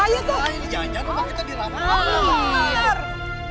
jangan kita diramah